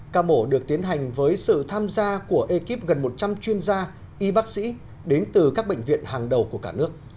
ca mổ được tiến hành với sự tham gia của ekip gần một trăm linh chuyên gia y bác sĩ đến từ các bệnh viện hàng đầu của cả nước